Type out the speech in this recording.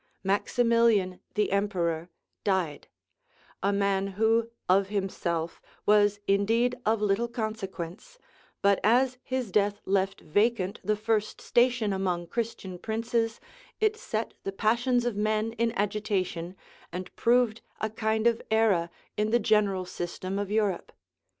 Maximilian, the emperor, died; a man who, of himself, was indeed of little consequence; but as his death left vacant the first station among Christian princes, it set the passions of men in agitation, and proved a kind of era in the general system of Europe.